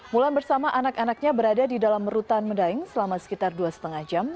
mulan bersama anak anaknya berada di dalam rutan medaeng selama sekitar dua lima jam